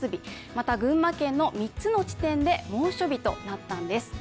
また群馬県の３つの地点で猛暑日となったんです。